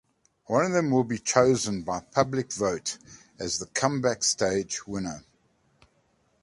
One of them will be chosen by public vote as the "Comeback Stage" winner.